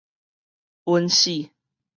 穩死